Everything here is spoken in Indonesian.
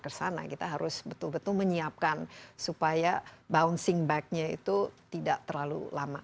kita harus betul betul menyiapkan supaya bouncing backnya itu tidak terlalu lama